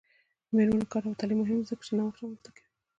د میرمنو کار او تعلیم مهم دی ځکه چې نوښت رامنځته کوي.